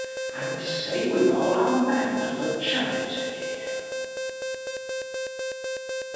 And say we all Amen for charity!